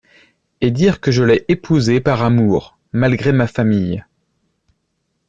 Et dire que je l’ai épousée par amour, malgré ma famille !